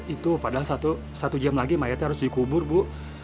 itu padahal satu jam lagi mayatnya harus dikubur bu